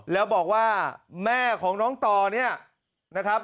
แล้วบอกว่าแม่ของน้องต่อเนี่ยนะครับ